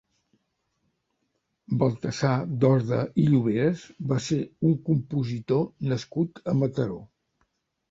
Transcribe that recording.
Baltasar Dorda i Lloveras va ser un compositor nascut a Mataró.